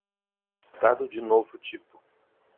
Estado de novo tipo